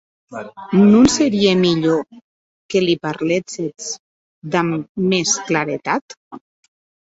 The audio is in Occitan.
Non serie mielhor que li parléssetz damb mès claretat?